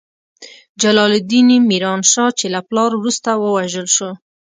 جلال الدین میران شاه، چې له پلار وروسته ووژل شو.